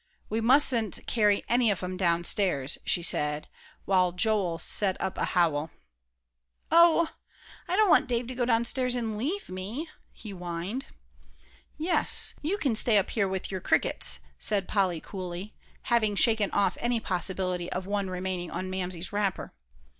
"We mustn't carry any of 'em downstairs," she said, while Joel set up a howl. "Oh, I don't want Dave to go downstairs and leave me," he whined. "Yes, you can stay up here with your crickets," said Polly, coolly, having shaken off any possibility of one remaining on Mamsie's wrapper.